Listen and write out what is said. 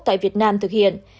tại việt nam thực hiện